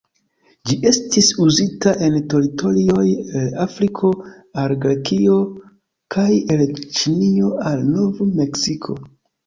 Ĝi estis uzita en teritorioj el Afriko al Grekio kaj el Ĉinio al Nov-Meksiko.